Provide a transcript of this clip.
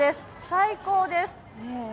最高です。